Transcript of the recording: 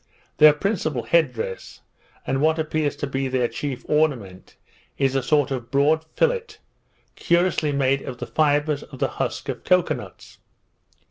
Their principal head dress, and what appears to be their chief ornament, is a sort of broad fillet, curiously made of the fibres of the husk of cocoa nuts.